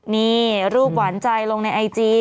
นี่รูปหวานใจลงในไอจี